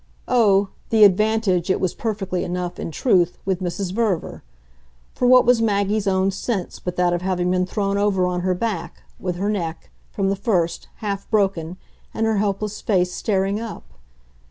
Oh, the "advantage," it was perfectly enough, in truth, with Mrs. Verver; for what was Maggie's own sense but that of having been thrown over on her back, with her neck, from the first, half broken and her helpless face staring up?